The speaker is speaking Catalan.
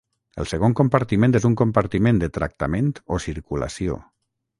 El segon compartiment és un compartiment de tractament o circulació.